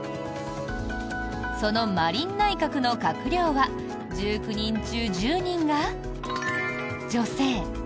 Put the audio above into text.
そのマリン内閣の閣僚は１９人中１０人が女性。